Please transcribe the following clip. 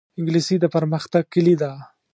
انګلیسي د پرمختګ کلي ده